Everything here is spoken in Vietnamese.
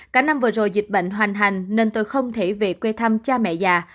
cả năm vừa rồi dịch bệnh hoành hành nên tôi không thể về quê thăm cha mẹ già